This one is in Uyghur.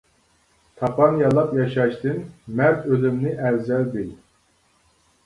تاپان يالاپ ياشاشتىن، مەرد ئۆلۈمنى ئەۋزەل بىل.